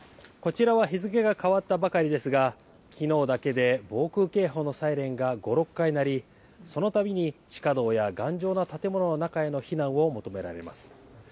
こちらは日付が変わったばかりですが、きのうだけで防空警報のサイレンが５、６回鳴り、そのたびに地下道や頑丈な建物の中への避難を求められます。